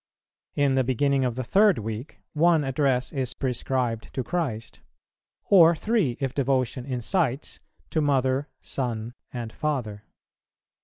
In the beginning of the Third Week one address is prescribed to Christ; or three, if devotion incites, to Mother, Son, and Father.